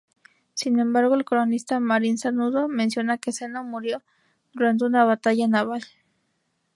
Sin embargo, el cronista Marin Sanudo, menciona que Zeno murió durante una batalla naval.